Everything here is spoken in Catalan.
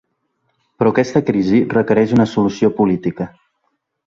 Però aquesta crisi requereix una solució política.